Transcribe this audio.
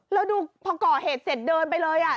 แล้วดูพอก่อเหตุเสร็จเดินไปเลยอ่ะ